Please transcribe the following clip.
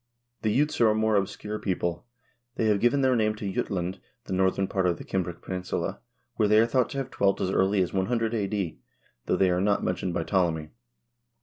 The Jutes are a more obscure people. They have given their name to Jutland, the northern part of the Cimbric peninsula, where they are thought to have dwelt as early as 100 a.d., though they are not mentioned by Ptolemy.